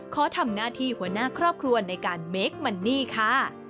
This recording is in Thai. ขอทำหน้าที่หัวหน้าครอบครัวในการเมคมันนี่ค่ะ